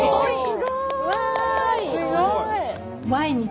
すごい！